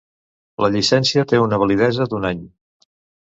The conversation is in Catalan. La llicència té una validesa d'un any.